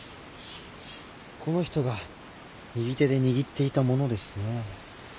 この人が右手で握っていたものですねえ。